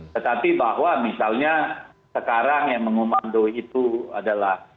tetapi bahwa misalnya sekarang yang mengumandoi itu adalah